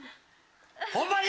ホンマに！